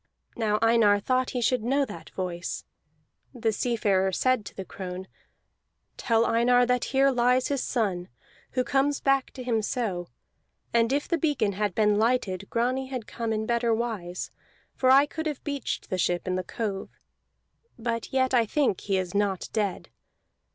Now Einar thought he should know that voice. The seafarer said to the crone: "Tell Einar that here lies his son, who comes back to him so; and if the beacon had been lighted, Grani had come in better wise, for I could have beached the ship in the cove. But yet I think he is not dead.